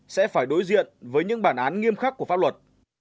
sẽ phải đối diện với những bản án nghiêm khắc của pháp luật